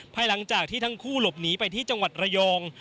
ภายหลังจากที่ทั้งคู่หลบหนีไปที่จังหวัดระยอง